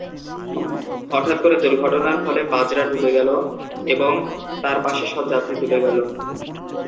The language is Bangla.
হঠাৎ করে দুর্ঘটনার ফলে বাজরা ডুবে গেল এবং তার পাশে সব যাত্রী ডুবে গেল।